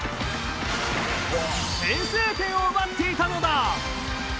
先制点を奪っていたのだ。